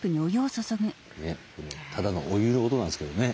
ただのお湯の音なんですけどね。